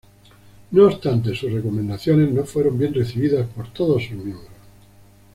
No obstante sus recomendaciones no fueron bien recibidas por todos sus miembros.